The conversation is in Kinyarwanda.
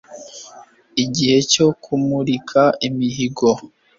igihe cyo kumurika imihigo